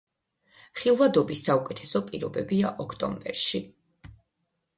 ხილვადობის საუკეთესო პირობებია ოქტომბერში.